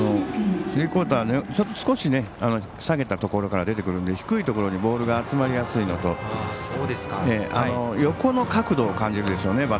スリークオーターで少し下げたところから出てくるので低いところにボールが集まりやすいのと横の角度を感じるでしょうね。